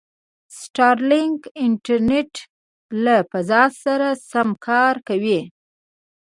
سټارلینک انټرنېټ له فضا شه سم کار کوي.